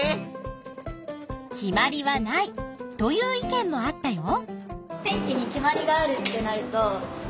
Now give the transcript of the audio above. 決まりはないという意見もあったよ。